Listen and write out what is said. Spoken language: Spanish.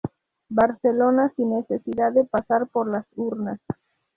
Barcelona sin necesidad de pasar por las urnas.